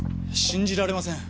信じられません